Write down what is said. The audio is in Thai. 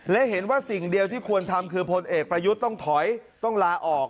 และเห็นว่าสิ่งเดียวที่ควรทำคือพลเอกประยุทธ์ต้องถอยต้องลาออก